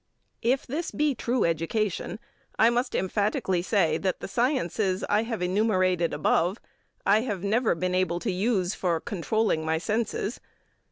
If this be true education, I must emphatically say that the sciences I have enumerated above, I have never been able to use for controlling my senses.